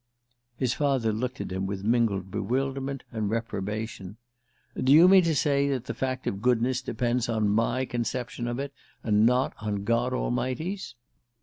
His father looked at him with mingled bewilderment and reprobation. "Do you mean to say that the fact of goodness depends on my conception of it, and not on God Almighty's?"